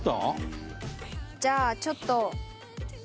じゃあちょっと。